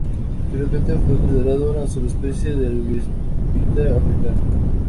Anteriormente fue considerado una subespecie del bisbita africano.